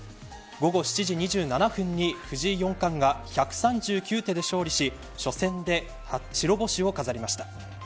午後７時２７分に藤井四冠が１３９手で勝利し初戦で白星を飾りました。